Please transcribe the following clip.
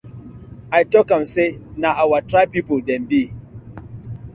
I tok am say na our tribe people dem bi.